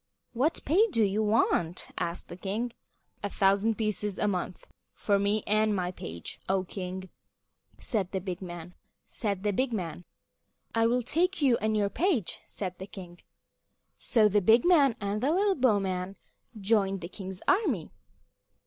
"What pay do you want?" asked the king. "A thousand pieces a month for me and my page, O King," said the big man. "I will take you and your page," said the king. So the big man and the little bowman joined the king's army.